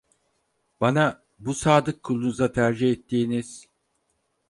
Bana, bu sadık kulunuza tercih ettiğiniz…